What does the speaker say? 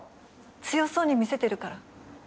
強そうに見せてるから。